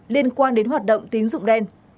liên quan đến hoạt động tín dụng đen